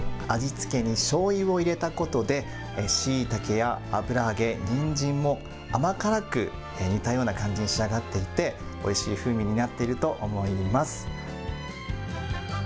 味付けにしょうゆを入れたことで、しいたけや油揚げ、にんじんも甘辛く煮たような感じに仕上がっていて、おいしい風味になっていると思います。